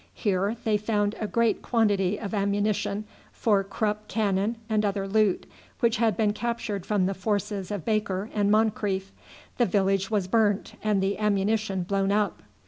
Here they found a great quantity of ammunition for Krupp cannon and other loot, which had been captured from the forces of Baker and Moncrieff. The village was burnt and the ammunition blown up.